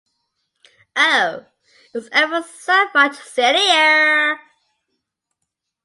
Oh, it's ever so much sillier.